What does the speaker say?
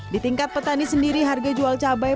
di tingkat petani sendiri harga jual cabai